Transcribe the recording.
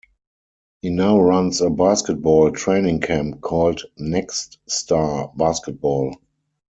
He now runs a basketball training camp called NextStar Basketball.